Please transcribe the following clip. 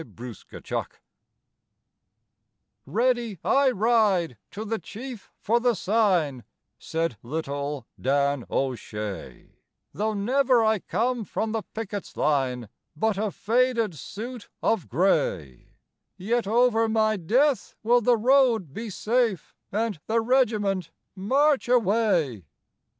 THE COUNTERSIGN "Ready I ride to the Chief for the sign," Said little Dan O'Shea, "Though never I come from the picket's line, But a faded suit of grey: Yet over my death will the road be safe, And the regiment march away."